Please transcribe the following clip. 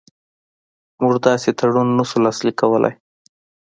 موږ داسې تړون نه شو لاسلیک کولای.